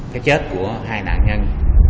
cái chết của hai nạn nhân